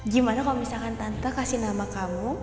gimana kalau misalkan tante kasih nama kamu